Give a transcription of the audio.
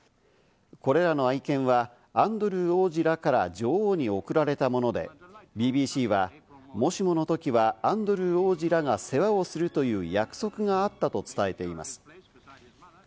これらの愛犬はアンドルー王子らから女王に贈られたもので、ＢＢＣはもしもの時はアンドルー王子らが世話をするという約束があったと伝えています。